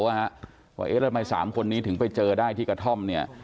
ว่าเอ๊ะทำไม๓คนนี้ถึงไปเจอได้ที่กระท่อมเนี่ย